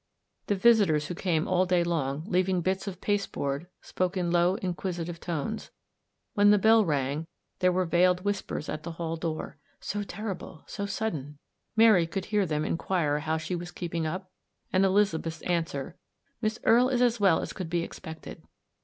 The visitors who came all day long, leaving bits of pasteboard, spoke in low, inquisitive tones. When the bell rang, there were veiled whispers at the hall door. " So terrible — so sudden!" Mary could hear them inquire how she was keeping up ? And Elizabeth's answer: "Miss Erie is as well as could be expected."